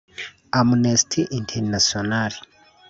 Amnesty International